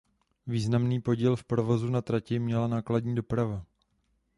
Významný podíl v provozu na trati měla nákladní doprava.